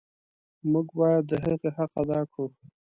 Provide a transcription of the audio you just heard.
موږ باید د هغې حق ادا کړو.